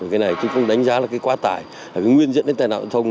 cái này chúng tôi đánh giá là cái quá tải là cái nguyên dẫn đến tài nạo giao thông